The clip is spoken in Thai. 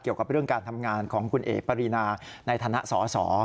เกี่ยวกับเรื่องการทำงานของคุณเอ๋ปรีนาในฐานะสอสอ